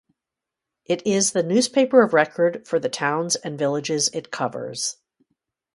It is the newspaper of record for the towns and villages it covers.